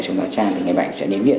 xuống dạ trang thì người bệnh sẽ đến viện